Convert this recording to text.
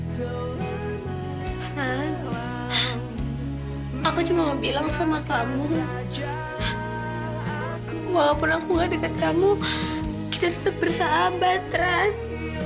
rani aku cuma mau bilang sama kamu walaupun aku gak deket kamu kita tetep bersahabat rani